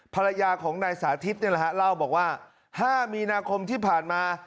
ภรรยาของนายสาธิตนี่แหละฮะเล่าบอกว่า๕มีนาคมที่ผ่านมา